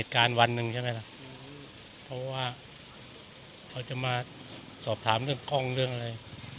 การวันหนึ่งใช่ไหมล่ะเพราะว่าเขาจะมาสอบถามเรื่องกล้องเรื่องอะไร